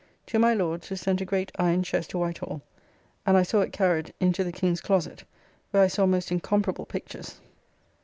To my Lord's, who sent a great iron chest to White Hall; and I saw it carried, into the King's closet, where I saw most incomparable pictures.